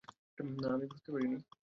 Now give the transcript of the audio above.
না, আমি বুঝতে পারিনি।